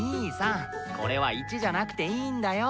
これは１じゃなくていーんだよー。